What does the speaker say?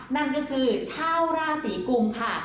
นั่นก็คือชาวราศีกุมค่ะ